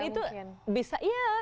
dan itu bisa ya